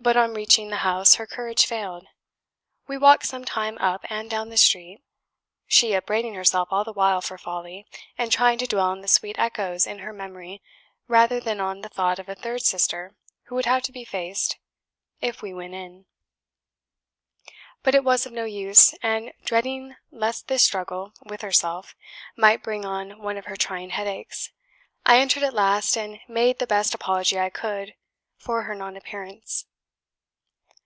But on reaching the house her courage failed. We walked some time up and down the street; she upbraiding herself all the while for folly, and trying to dwell on the sweet echoes in her memory rather than on the thought of a third sister who would have to be faced if we went in. But it was of no use; and dreading lest this struggle with herself might bring on one of her trying headaches, I entered at last and made the best apology I could for her non appearance.